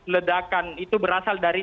ledakan itu berasal dari